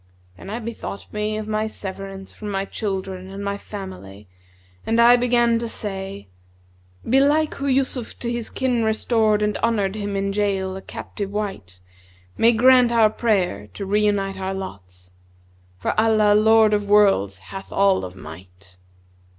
Then I bethought me of my severance from my children and my family and I began to say, 'Belike Who Yъsuf to his kin restored * And honoured him in goal, a captive wight, May grant our prayer to reunite our lots, * For Allah, Lord of Worlds, hath all of might.'